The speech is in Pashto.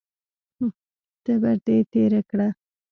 تبر دې تېره کړه!